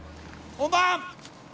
・本番！